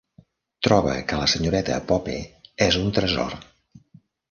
Troba que la senyoreta Pope és un tresor.